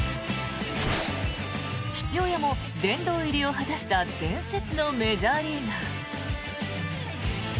父親も殿堂入りを果たした伝説のメジャーリーガー。